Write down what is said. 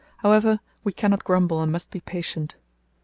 However, we cannot grumble and must be patient.